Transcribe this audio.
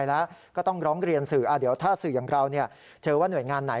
เดี๋ยวถ้าสื่ออย่างเราเจอว่าหน่วยงานไหน